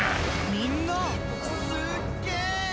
みんなすっげえー！